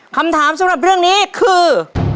คำถามสำหรับเรื่องนี้คือ